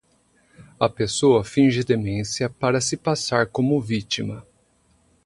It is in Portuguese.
A pessoa finge demência para se passar como vítima.